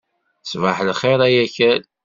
Ṣbaḥ lxir ay akal.